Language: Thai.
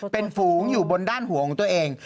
เป็นฝูงอยู่บนด้านหัวของตัวเอง